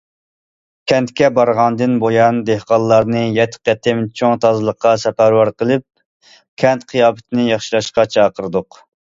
كەنتكە بارغاندىن بۇيان، دېھقانلارنى يەتتە قېتىم چوڭ تازىلىققا سەپەرۋەر قىلىپ، كەنت قىياپىتىنى ياخشىلاشقا چاقىردۇق.